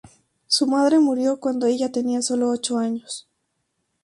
Su madre murió cuando ella tenía solo ocho años.